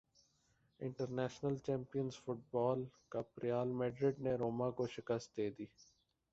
international champions football cup Real Madrid نے روما کو شکست دیدی